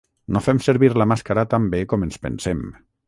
No fem servir la màscara tan bé com ens pensem